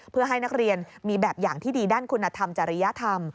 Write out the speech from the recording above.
เพื่อให้นักเรียนมีแบบอย่างที่ดีด้านคุณธรรมจริยธรรม